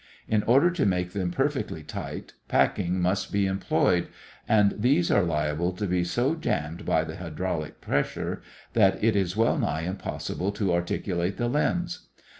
In order to make them perfectly tight, packings must be employed, and these are liable to be so jammed by the hydraulic pressure that it is well nigh impossible to articulate the limbs.